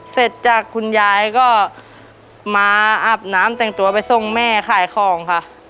เสร็จจากคุณยายก็มาอาบน้ำแต่งตัวไปส่งแม่ขายของค่ะ